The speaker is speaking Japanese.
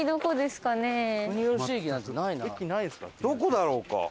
どこだろうか？